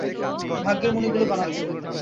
ভাগ্যের মণিগুলো বানাচ্ছে।